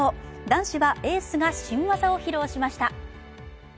男子はエースが新技を披露しました。